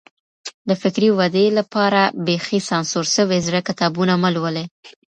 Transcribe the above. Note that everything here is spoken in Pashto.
د فکري ودې لپاره بېخي سانسور سوي زړه کتابونه مه لولئ.